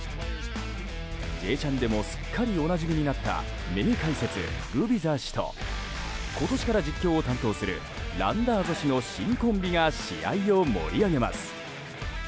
「Ｊチャン」でもすっかりおなじみになった名解説グビザ氏と今年から実況を担当するランダーゾ氏の新コンビが試合を盛り上げます。